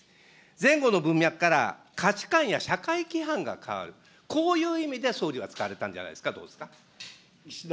前後の文脈から、価値観や社会規範が変わる、こういう意味で総理は使われたんじゃないですか、ど岸田